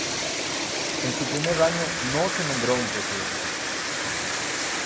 En su primer año no se nombró un presidente.